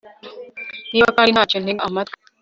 niba kandi nta cyo, ntega amatwi